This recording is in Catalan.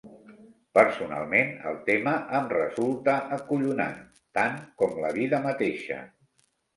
Personalment, el tema em resulta acollonant, tant com la vida mateixa.